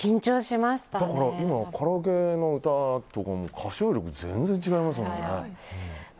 今、カラオケの歌とかも歌唱力全然違いますもんね。